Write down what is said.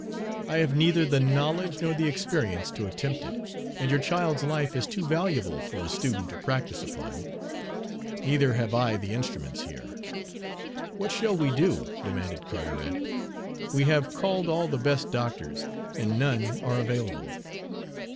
I have neither the knowledge nor the experience to attempt it, and your child's life is too valuable for a student to practice upon. Neither have I the instruments here." "What shall we do?" demanded Carteret. "We have called all the best doctors, and none are available."